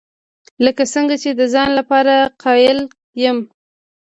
لکه څنګه چې د ځان لپاره قایل یم.